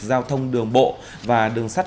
giao thông đường bộ và đường sắt